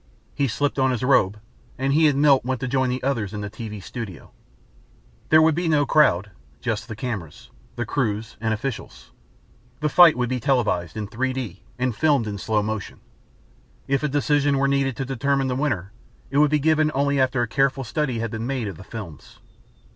He slipped on his robe and he and Milt went to join the others in the TV studio. There would be no crowd. Just the cameras, the crews and officials. The fight would be televised in 3 D and filmed in slow motion. If a decision were needed to determine the winner, it would be given only after a careful study had been made of the films.